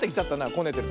こねてる。